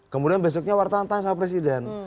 kemudian besoknya wartan tantan sama presiden